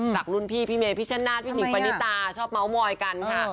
กับรุ่นพี่พี่เมพี่ชะนาดพี่นิกปานิตาชอบเมาะมอยกันค่ะ